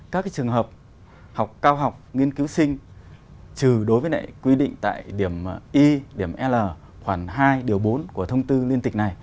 các trường hợp học cao học nghiên cứu sinh trừ đối với n quy định tại điểm y điểm l khoảng hai điều bốn của thông tư liên tịch này